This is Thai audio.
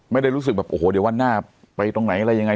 ไม่ได้รู้สึกแบบโอ้โหเดี๋ยววันหน้าไปตรงไหนอะไรยังไง